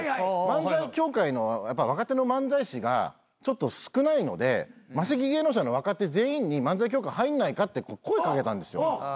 漫才協会の若手の漫才師がちょっと少ないのでマセキ芸能社の若手全員に漫才協会入んないかって声掛けたんですよ。